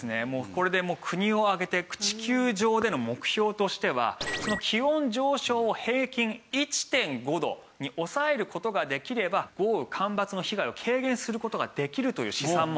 これでもう国を挙げて地球上での目標としては気温上昇を平均１．５度に抑える事ができれば豪雨干ばつの被害を軽減する事ができるという試算もあるんです。